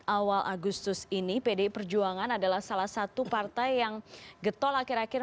awal agustus ini pdi perjuangan adalah salah satu partai yang getol akhir akhir